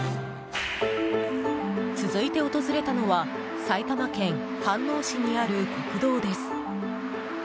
続いて訪れたのは埼玉県飯能市にある国道です。